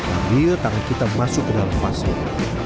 ambil tangan kita masuk ke dalam pasir